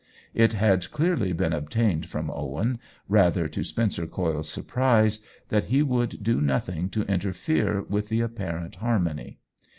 It had clearly been obtained from Owen, rather to Spencer Coyle's surprise, that he would do nothing to interfere with the ap parent harmony.